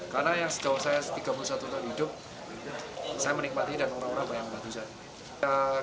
karena yang sejauh saya tiga puluh satu tahun hidup saya menikmati dan orang orang banyak membantu saya